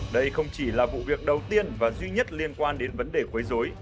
đây không chỉ là vụ việc đầu tiên và duy nhất liên quan đến vấn đề quấy dối